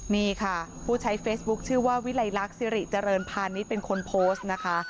นี่ค่ะผู้ใช้เฟซบุ๊คชื่อว่าวิลัยลักษณ์สิริเจริญพาณิชย์เป็นคนโพสต์นะคะ